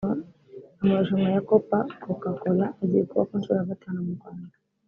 Amarushanwa ya Copa Coca Cola agiye kuba ku nshuro ya gatanu mu Rwanda